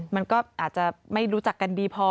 มันก็อาจจะไม่รู้จักกันดีพอ